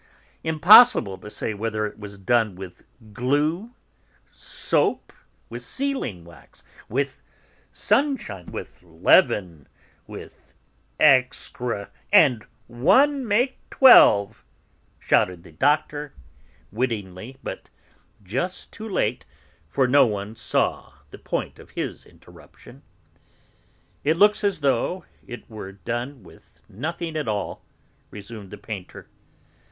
Impossible to say whether it was done with glue, with soap, with sealing wax, with sunshine, with leaven, with excrem..." "And one make twelve!" shouted the Doctor, wittily, but just too late, for no one saw the point of his interruption. "It looks as though it were done with nothing at all," resumed the painter.